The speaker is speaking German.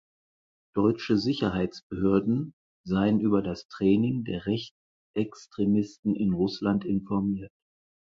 Deutsche Sicherheitsbehörden seien über das Training der Rechtsextremisten in Russland informiert.